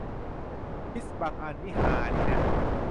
ควิซบางอันนี่ฮาดีนะ